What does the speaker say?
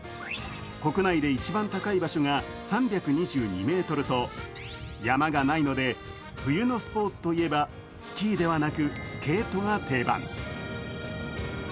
国内で一番高い場所が３２２ｍと山がないので、冬のスポーツといえばスキーではなく、スケートが定番。